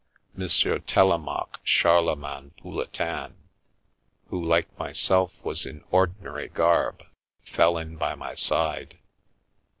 M. Telemaque Charlemagne Pouletin, who like myself was in ordinary garb, fell in by my side.